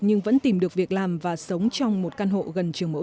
nhưng vẫn tìm được việc làm và sống